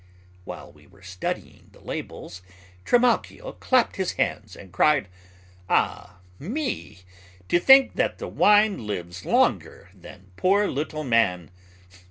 While we were studying the labels, Trimalchio clapped his hands and cried, "Ah me! To think that wine lives longer than poor little man.